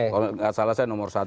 kalau tidak salah saya nomor satu